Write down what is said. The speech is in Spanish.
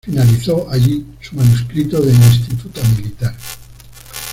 Finalizó allí su manuscrito de Instituta militar.